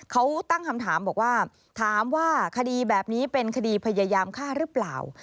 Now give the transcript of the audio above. เขาตั้งคำถามบอกว่าถามว่าคดีแบบนี้เป็นคดีพยายามฆ่าหรือเปล่า